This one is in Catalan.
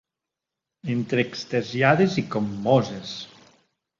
Entre extasiades i commoses.